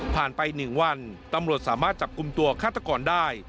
ไป๑วันตำรวจสามารถจับกลุ่มตัวฆาตกรได้